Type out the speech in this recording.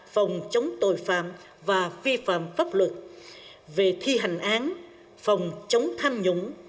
phòng chống tội phạm và vi phạm pháp luật về thi hành án phòng chống tham nhũng